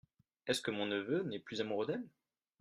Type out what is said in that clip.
Est-ce que mon neveu n’est plus amoureux d’elle ?